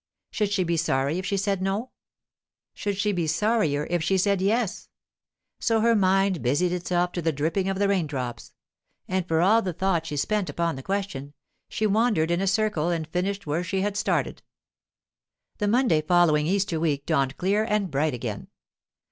Should she be sorry if she said 'no'? Should she be sorrier if she said 'yes'? So her mind busied itself to the dripping of the raindrops; and for all the thought she spent upon the question, she wandered in a circle and finished where she had started. The Monday following Easter week dawned clear and bright again.